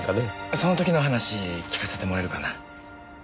その時の話聞かせてもらえるかな？